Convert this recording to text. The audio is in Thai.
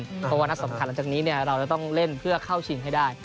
เพราะว่านัดสำคัญหลังจากนี้เราจะต้องเล่นเพื่อเข้าชิงให้ได้